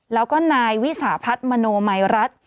แล้วก็นายวิสาพัฒน์มโนมัยรัฐ